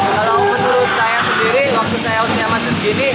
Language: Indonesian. kalau menurut saya sendiri waktu saya usia masih segini